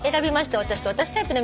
私と私タイプの皆さん